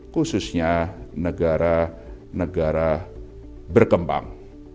khususnya negara negara berkembang